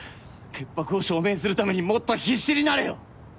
潔白を証明するためにもっと必死になれよ。